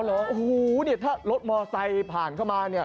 โอ้โหถ้ารถมอไซค์ผ่านเข้ามา